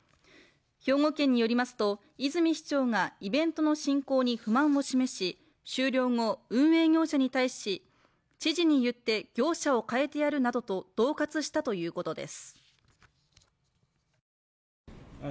兵庫県によりますと和泉市長がイベントの進行に不満を示し終了後、運営業者に対し、知事に言って業者を変えてやるなどとどう喝したということです。